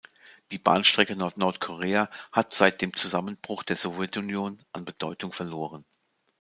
Die Bahnstrecke nach Nordkorea hat seit dem Zusammenbruch der Sowjetunion an Bedeutung verloren.